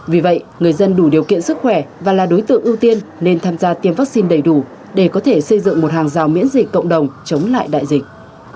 vì vậy người dân đủ điều kiện sức khỏe và là đối tượng ưu tiên nên tham gia tiêm vaccine đầy đủ để có thể xây dựng một hàng rào miễn dịch cộng đồng chống lại đại dịch